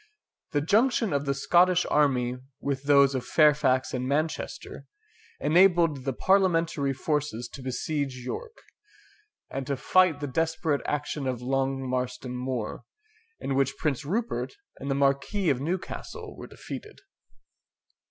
The junction of the Scottish army with those of Fairfax and Manchester, enabled the Parliamentary forces to besiege York, and to fight the desperate action of Long Marston Moor, in which Prince Rupert and the Marquis of Newcastle were defeated.